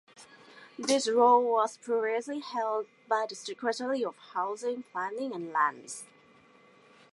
This role was previously held by the Secretary for Housing, Planning and Lands.